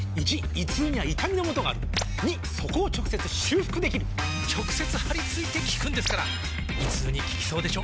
①胃痛には痛みのもとがある②そこを直接修復できる直接貼り付いて効くんですから胃痛に効きそうでしょ？